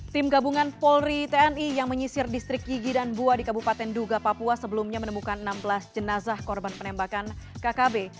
tim gabungan polri tni yang menyisir distrik yigi dan buah di kabupaten duga papua sebelumnya menemukan enam belas jenazah korban penembakan kkb